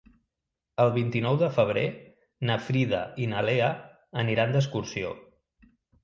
El vint-i-nou de febrer na Frida i na Lea aniran d'excursió.